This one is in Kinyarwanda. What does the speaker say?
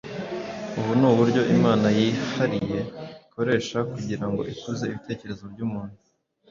Ubu ni uburyo Imana yihariye ikoresha kugira ngo ikuze ibitekerezo by’umuntu.